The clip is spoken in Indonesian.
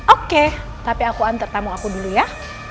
oke tapi aku antar tamu aku dulu ya